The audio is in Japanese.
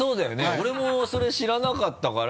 俺もそれ知らなかったから。